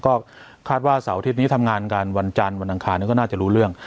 ก็คาดว่าเสาร์อาทิตย์นี้ทำงานกันวันจันทร์วันอังคารก็น่าจะรู้เรื่อง